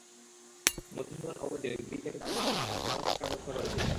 মধুসূদন অভয় দিলেন, গিরিজাকে তাঁর মাসহ আলাদা থাকার ব্যবস্থা করে দিলেন।